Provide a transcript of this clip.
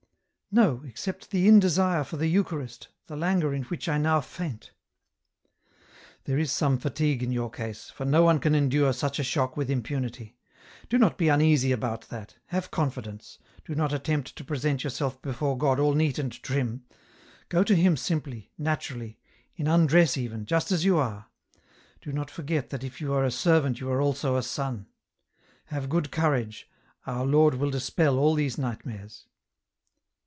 " No, except the indesire for the Eucharist, the languor in which I now faint." " There is some fatigue in your case, for no one can endure such a shock with impunity ; do not be uneasy about that, have confidence, do not attempt to present yourself before God all neat and trim ; go to Him simply, naturally, in un dress even, just as you are ; do not forget that if you are a servant you are also a son ; have good courage, our Lord will dispel all these nightmares."